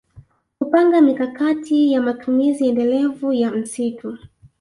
Kupanga mikakati ya matumizi endelevu ya msitu